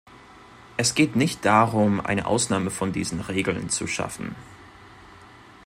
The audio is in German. Es geht nicht darum, eine Ausnahme von diesen Regeln zu schaffen.